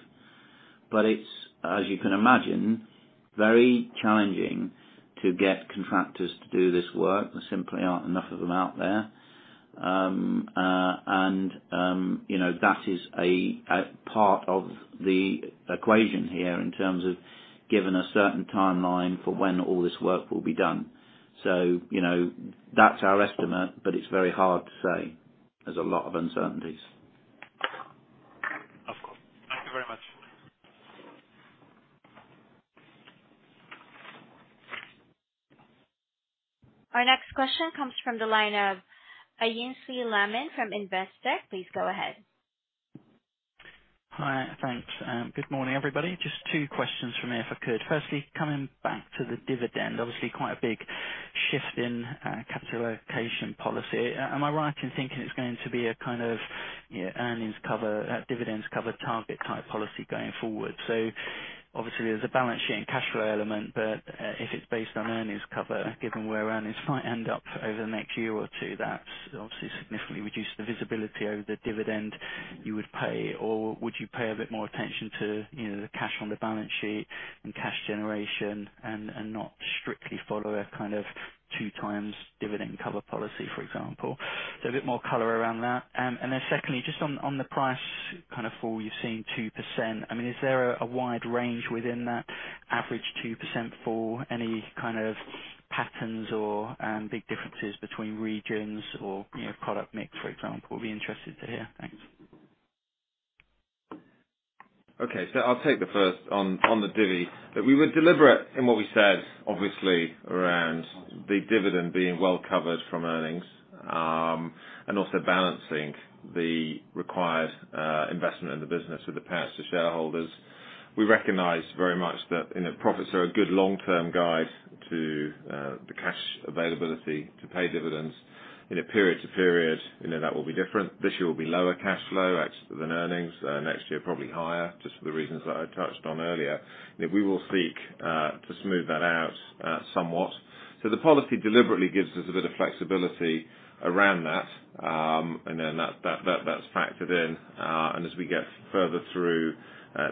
B: It's, as you can imagine, very challenging to get contractors to do this work. There simply aren't enough of them out there. That is a part of the equation here in terms of giving a certain timeline for when all this work will be done. That's our estimate, but it's very hard to say. There's a lot of uncertainties.
J: Of course. Thank you very much.
A: Our next question comes from the line of Aynsley Lammin from Investec. Please go ahead.
K: Hi. Thanks. Good morning, everybody. Just two questions from me, if I could. Firstly, coming back to the dividend, obviously quite a big shift in capitalization policy. Am I right in thinking it's going to be a kind of earnings cover, dividends cover target type policy going forward? Obviously there's a balance sheet and cash flow element, but if it's based on earnings cover, given where earnings might end up over the next year or two, that obviously significantly reduces the visibility over the dividend you would pay. Would you pay a bit more attention to the cash on the balance sheet and cash generation and not strictly follow a kind of two times dividend cover policy, for example? A bit more color around that. Secondly, just on the price kind of fall, you're seeing 2%. Is there a wide range within that average 2% fall? Any kind of patterns or big differences between regions or product mix, for example? Be interested to hear. Thanks.
B: I'll take the first on the divvy. We were deliberate in what we said, obviously, around the dividend being well-covered from earnings. Also balancing the required investment in the business with the payouts to shareholders. We recognize very much that profits are a good long-term guide to the cash availability to pay dividends in a period to period. That will be different. This year will be lower cash flow actually than earnings. Next year, probably higher, just for the reasons that I touched on earlier. We will seek to smooth that out somewhat. The policy deliberately gives us a bit of flexibility around that. That's factored in. As we get further through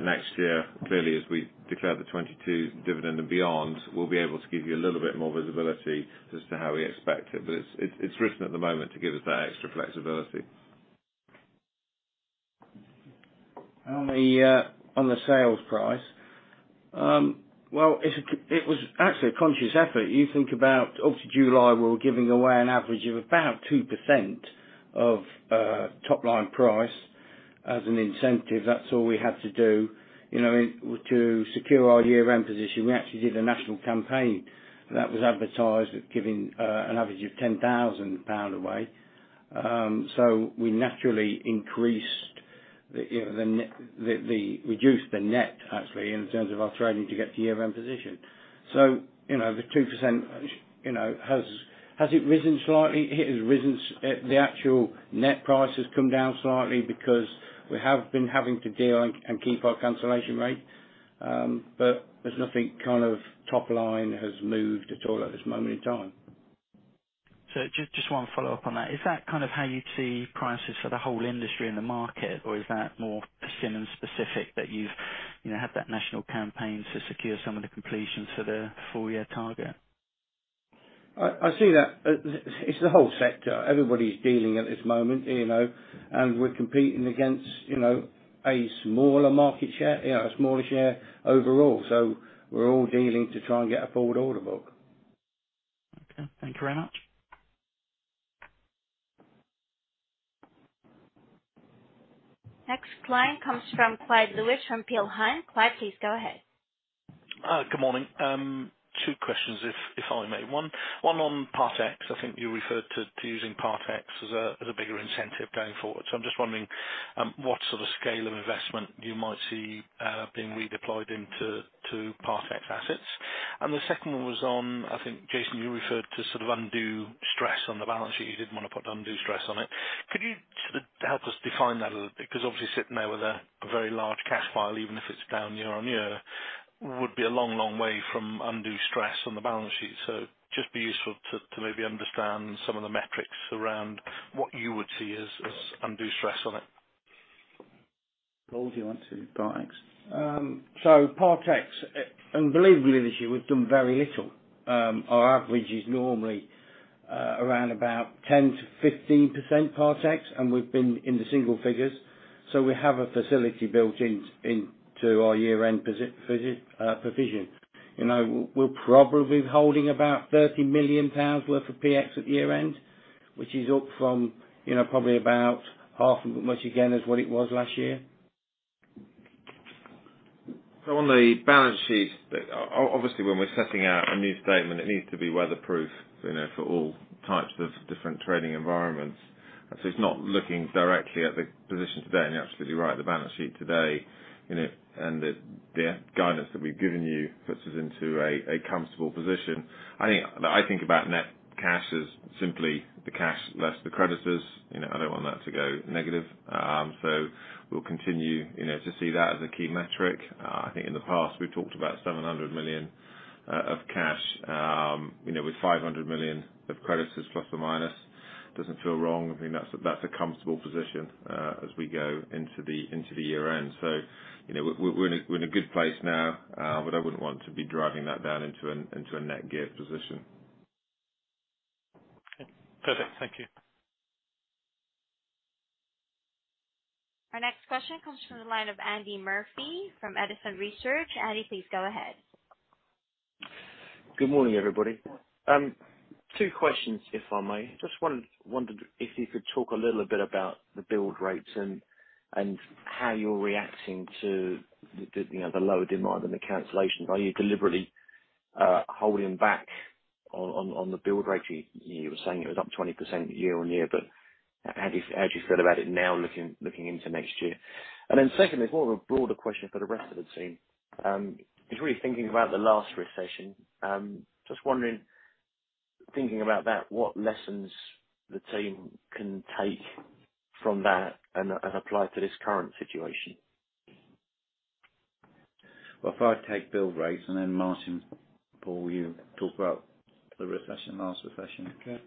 B: next year, clearly as we declare the 2022 dividend and beyond, we'll be able to give you a little bit more visibility as to how we expect it. It's written at the moment to give us that extra flexibility.
C: On the sales price. It was actually a conscious effort. You think about up to July, we were giving away an average of about 2% of top-line price as an incentive. That's all we had to do to secure our year-end position. We actually did a national campaign that was advertised giving an average of GBP 10,000 away. We naturally reduced the net, actually, in terms of our trading to get to year-end position. The 2%, has it risen slightly? The actual net price has come down slightly because we have been having to deal and keep our cancellation rate. There's nothing kind of top-line has moved at all at this moment in time.
B: Just one follow-up on that. Is that how you see prices for the whole industry in the market, or is that more Persimmon specific, that you've had that national campaign to secure some of the completions for the full year target?
C: I see that it's the whole sector. Everybody's dealing at this moment, and we're competing against a smaller market share, a smaller share overall. We're all dealing to try and get a forward order book.
K: Okay. Thank you very much.
A: Next client comes from Clyde Lewis from Peel Hunt. Clyde, please go ahead.
L: Good morning. Two questions, if I may. One on Part Ex. I think you referred to using Part Ex as a bigger incentive going forward. I'm just wondering what sort of scale of investment you might see being redeployed into Part Ex assets. The second one was on, I think, Jason, you referred to sort of undue stress on the balance sheet. You didn't want to put undue stress on it. Could you sort of help us define that a little bit? Obviously sitting there with a very large cash pile, even if it's down year-over-year, would be a long, long way from undue stress on the balance sheet. Just be useful to maybe understand some of the metrics around what you would see as undue stress on it.
C: Paul, do you want to Part Ex?
D: Part Ex, unbelievably this year we've done very little. Our average is normally around about 10%-15% Part Ex, and we've been in the single figures. We have a facility built into our year-end provision. We're probably holding about 30 million pounds worth of Part Ex at year-end, which is up from probably about half as much again as what it was last year.
C: On the balance sheet, obviously when we're setting out a new statement, it needs to be weatherproof for all types of different trading environments. It's not looking directly at the position today, and you're absolutely right, the balance sheet today and the guidance that we've given you puts us into a comfortable position. I think about net cash as simply the cash less the creditors. I don't want that to go negative. We'll continue to see that as a key metric. I think in the past we've talked about 700 million of cash. With 500 million of creditors plus or minus, doesn't feel wrong. I think that's a comfortable position as we go into the year-end. We're in a good place now. I wouldn't want to be driving that down into a net gear position.
L: Okay. Perfect. Thank you.
A: Our next question comes from the line of Andy Murphy from Edison Research. Andy, please go ahead.
M: Good morning, everybody. Two questions, if I may. Just wondered if you could talk a little bit about the build rates and how you're reacting to the lower demand and the cancellations. Are you deliberately holding back on the build rate? You were saying it was up 20% year-over-year, but how do you feel about it now looking into next year? Secondly, it's more of a broader question for the rest of the team. Just really thinking about the last recession, just wondering, thinking about that, what lessons the team can take from that and apply to this current situation.
C: Well, if I take build rates and then Martyn, Paul, you talk about the last recession.
M: Okay.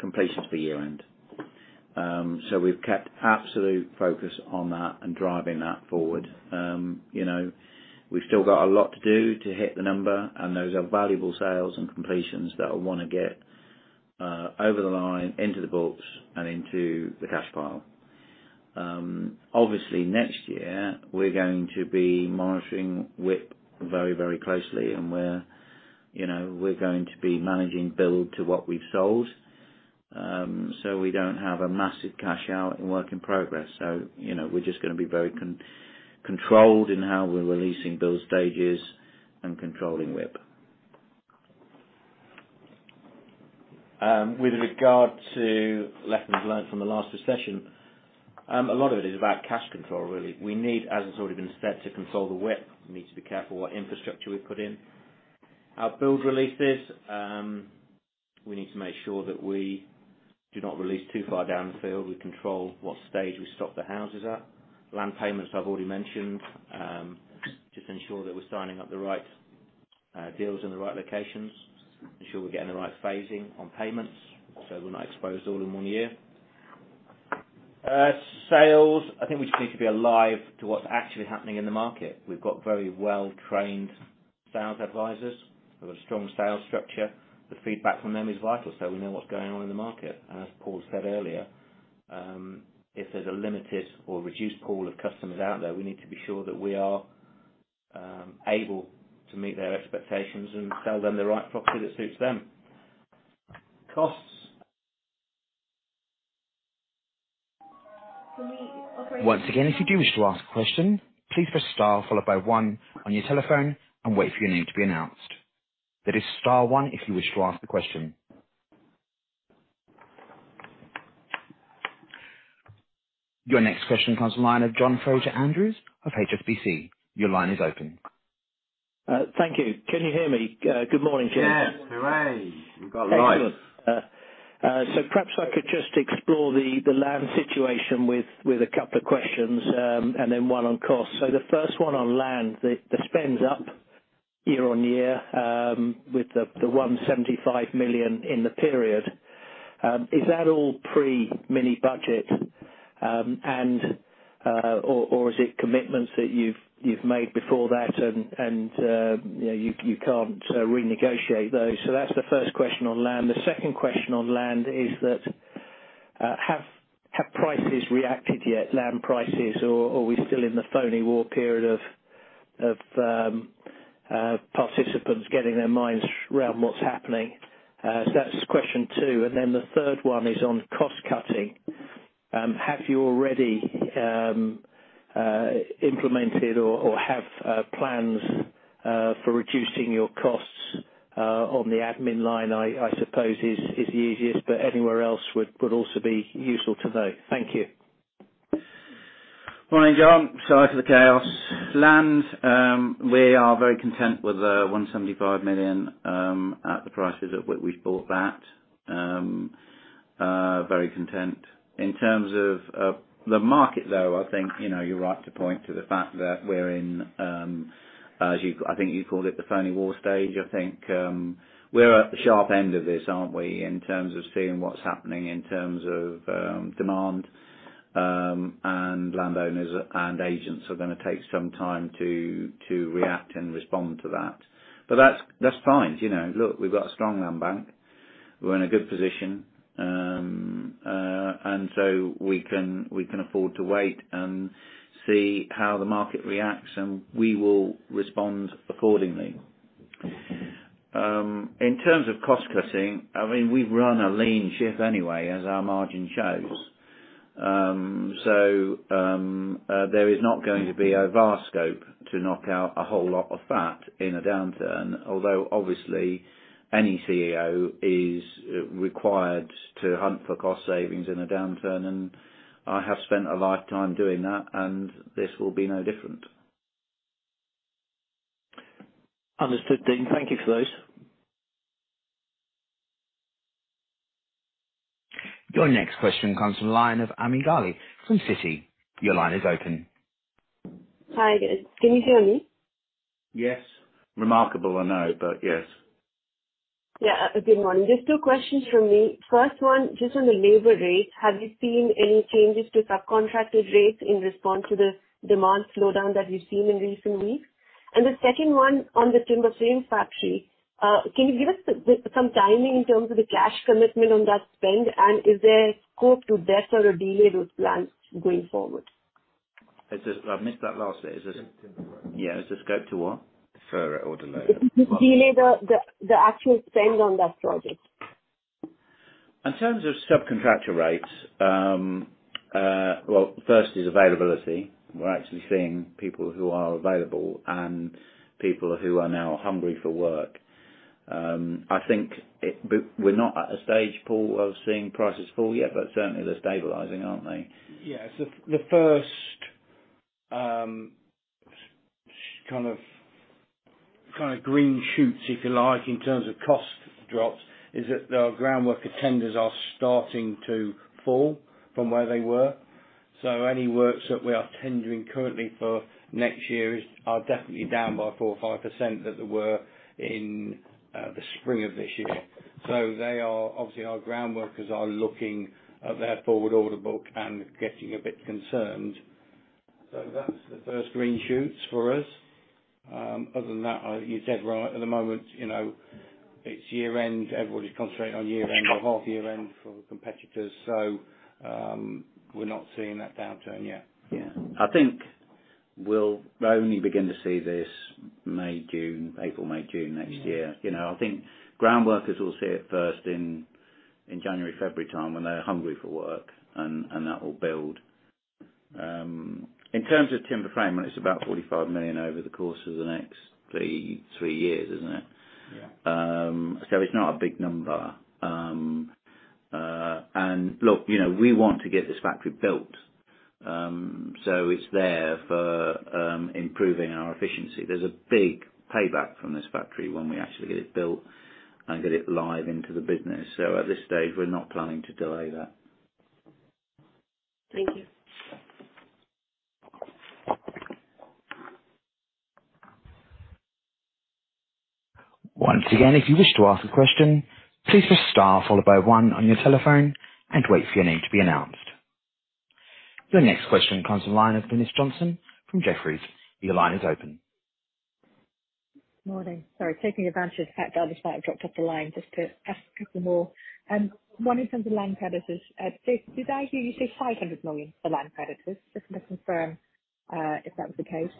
C: Completions for year-end. We've kept absolute focus on that and driving that forward. We've still got a lot to do to hit the number, and those are valuable sales and completions that I want to get over the line, into the books, and into the cash pile. Obviously, next year we're going to be monitoring WIP very closely, and we're going to be managing build to what we've sold, so we don't have a massive cash out in work in progress. We're just going to be very controlled in how we're releasing build stages and controlling WIP.
D: With regard to lessons learned from the last recession, a lot of it is about cash control, really. We need, as has already been said, to control the WIP. We need to be careful what infrastructure we put in. Our build releases, we need to make sure that we do not release too far down the field. We control what stage we stop the houses at. Land payments, I've already mentioned. Just ensure that we're signing up the right deals in the right locations. Ensure we're getting the right phasing on payments, so we're not exposed all in one year.
B: Sales, I think we just need to be alive to what's actually happening in the market. We've got very well-trained sales advisors. We've got a strong sales structure. The feedback from them is vital, so we know what's going on in the market. As Paul said earlier, if there's a limited or reduced pool of customers out there, we need to be sure that we are able to meet their expectations and sell them the right property that suits them. Costs.
N: Once again, if you do wish to ask a question, please press star followed by one on your telephone and wait for your name to be announced. That is star one if you wish to ask the question. Your next question comes from the line of John Fraser-Andrews of HSBC. Your line is open.
O: Thank you. Can you hear me? Good morning, James.
B: Yes. Hooray. We've got life.
O: Excellent. Perhaps I could just explore the land situation with a couple of questions, then one on cost. The first one on land. The spend's up year-on-year with the 175 million in the period. Is that all pre-mini budget, or is it commitments that you've made before that and you can't renegotiate those? That's the first question on land. The second question on land is that have prices reacted yet, land prices, or are we still in the phony war period of participants getting their minds around what's happening? That's question two. The third one is on cost cutting. Have you already implemented or have plans for reducing your costs on the admin line, I suppose is easiest, but anywhere else would also be useful to know. Thank you.
B: Morning, John. Sorry for the chaos. Land, we are very content with the 175 million at the prices at which we've bought that. Very content. In terms of the market, though, I think you're right to point to the fact that we're in, as I think you called it, the phony war stage. I think we're at the sharp end of this, aren't we, in terms of seeing what's happening in terms of demand. Landowners and agents are going to take some time to react and respond to that. That's fine. Look, we've got a strong land bank. We're in a good position. So we can afford to wait and see how the market reacts, and we will respond accordingly. In terms of cost cutting, we run a lean ship anyway, as our margin shows. There is not going to be a vast scope to knock out a whole lot of fat in a downturn, although obviously any CEO is required to hunt for cost savings in a downturn, and I have spent a lifetime doing that and this will be no different.
O: Understood, Dean. Thank you for those.
N: Your next question comes from the line of Ami Galla from Citi. Your line is open.
P: Hi again. Can you hear me?
B: Yes. Remarkable, I know, but yes.
P: Yeah. Good morning. Just two questions from me. First one, just on the labor rate, have you seen any changes to subcontractor rates in response to the demand slowdown that we've seen in recent weeks? The second one on the timber frame factory, can you give us some timing in terms of the cash commitment on that spend? Is there scope to defer or delay those plans going forward?
B: I missed that last bit. Is there
D: Timber frame.
B: Yeah. Is there scope to what?
D: Defer it or delay it.
P: Delay the actual spend on that project.
B: In terms of subcontractor rates, well, first is availability. We're actually seeing people who are available and people who are now hungry for work. I think we're not at a stage, Paul, of seeing prices fall yet, but certainly they're stabilizing, aren't they?
D: The first kind of green shoots, if you like, in terms of cost drops is that the groundworker tenders are starting to fall from where they were. Any works that we are tendering currently for next year are definitely down by four or five percent than they were in the spring of this year. Obviously our groundworkers are looking at their forward order book and getting a bit concerned. That's the first green shoots for us. Other than that, you said right, at the moment, it's year-end, everybody's concentrating on year-end or half year-end for the competitors, so we're not seeing that downturn yet.
B: Yeah. I think we'll only begin to see this May, June, April, May, June next year. I think groundworkers will see it first in January, February time when they're hungry for work, and that will build. In terms of timber frame, it's about 45 million over the course of the next three years, isn't it?
D: Yeah.
B: It's not a big number. Look, we want to get this factory built. It's there for improving our efficiency. There's a big payback from this factory when we actually get it built and get it live into the business. At this stage, we're not planning to delay that.
P: Thank you
N: Once again, if you wish to ask a question, please press star followed by one on your telephone and wait for your name to be announced. The next question comes from the line of Glynis Johnson from Jefferies. Your line is open.
G: Morning. Sorry, taking advantage of the fact the other side have dropped off the line just to ask a couple more. One in terms of land creditors. Did I hear you say 500 million for land creditors? Just want to confirm if that was the case.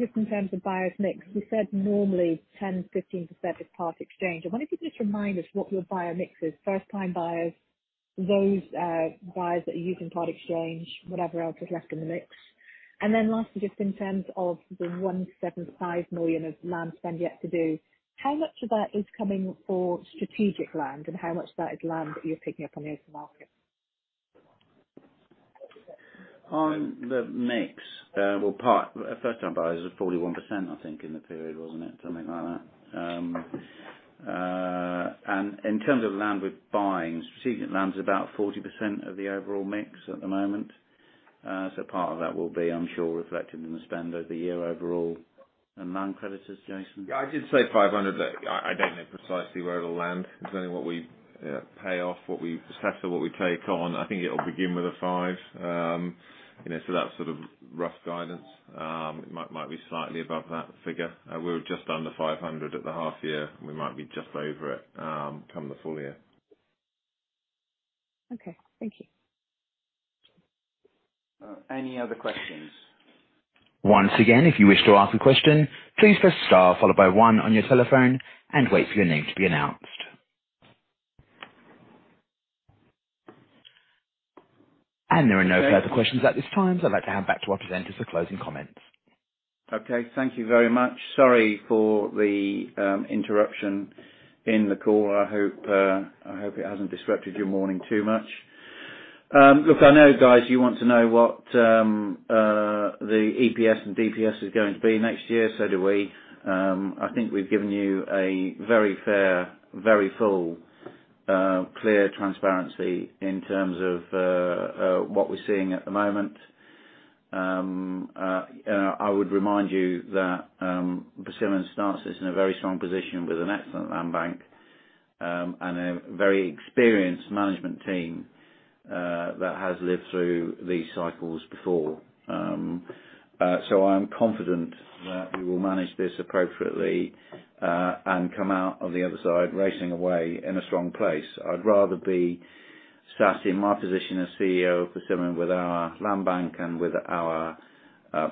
G: Just in terms of buyers mix, you said normally 10%-15% is Part Exchange. I wonder if you could just remind us what your buyer mix is. First-time buyers, those buyers that are using Part Exchange, whatever else is left in the mix. Lastly, just in terms of the 175 million of land spend yet to do, how much of that is coming for strategic land and how much of that is land that you're picking up on the open market?
B: On the mix, first-time buyers are 41%, I think, in the period, wasn't it? Something like that. In terms of land we're buying, strategic land's about 40% of the overall mix at the moment. Part of that will be, I'm sure, reflected in the spend over the year overall. Land creditors, Jason?
C: Yeah, I did say 500. I don't know precisely where it'll land, depending what we pay off, what we assess or what we take on. I think it'll begin with a five. That's sort of rough guidance. It might be slightly above that figure. We're just under 500 at the half year. We might be just over it come the full year.
G: Okay. Thank you.
B: Any other questions?
N: Once again, if you wish to ask a question, please press star followed by one on your telephone and wait for your name to be announced. There are no further questions at this time, I'd like to hand back to our presenters for closing comments.
B: Okay. Thank you very much. Sorry for the interruption in the call. I hope it hasn't disrupted your morning too much. Look, I know, guys, you want to know what the EPS and DPS is going to be next year, so do we. I think we've given you a very fair, very full, clear transparency in terms of what we're seeing at the moment. I would remind you that Persimmon starts this in a very strong position with an excellent land bank and a very experienced management team that has lived through these cycles before. I am confident that we will manage this appropriately, and come out on the other side racing away in a strong place. I'd rather be sat in my position as CEO of Persimmon with our land bank and with our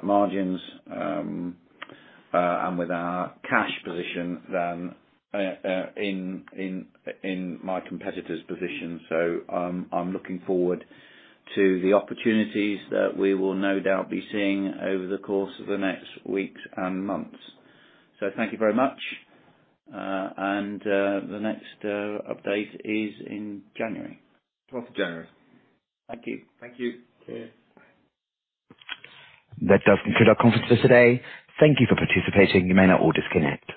B: margins, and with our cash position than in my competitor's position. I'm looking forward to the opportunities that we will no doubt be seeing over the course of the next weeks and months. Thank you very much. The next update is in January.
C: 12th of January.
B: Thank you.
C: Thank you.
B: Cheers.
N: That does conclude our conference for today. Thank you for participating. You may now all disconnect.